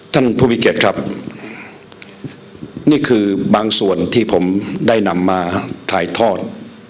ท่านผู้วิจิตรครับนี่คือบางส่วนที่ผมได้นำมาถ่ายทอด